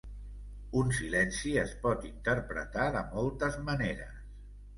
Un silenci es pot interpretar de moltes maneres.